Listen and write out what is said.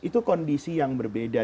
itu kondisi yang berbeda